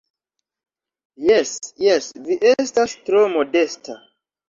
Jes, jes, vi estas tro modesta.